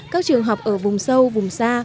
các trường học ở vùng sâu vùng xa